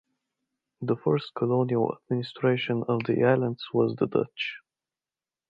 The first colonial administration on the Islands was the Dutch.